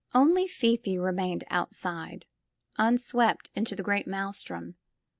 Only Fifi remained on the outside, unswept into the great maelstrom.